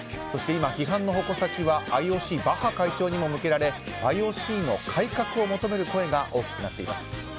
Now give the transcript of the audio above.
そして今、批判の矛先はＩＯＣバッハ会長にも向けられ、ＩＯＣの改革を求める声が大きくなっています。